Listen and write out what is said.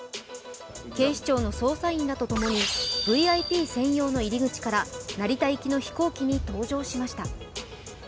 警視庁の捜査員らとともにＶＩＰ専用の入り口から成田行きの飛行機に搭乗しました。